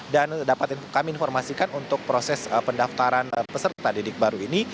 dan dapat kami informasikan untuk proses pendaftaran peserta didik baru ini